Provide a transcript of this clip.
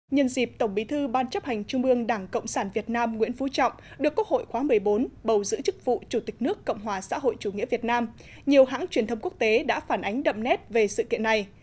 nhân dịp tổng bí thư ban chấp hành trung ương đảng cộng sản việt nam nguyễn phú trọng được quốc hội khóa một mươi bốn bầu giữ chức vụ chủ tịch nước cộng hòa xã hội chủ nghĩa việt nam nhiều hãng truyền thông quốc tế đã phản ánh đậm nét về sự kiện này